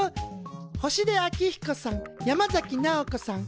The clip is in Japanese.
星出彰彦さん山崎直子さん